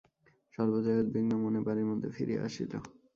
সর্বজয়া উদ্বিগ্ন মনে বাড়ির মধ্যে ফিরিয়া আসিল।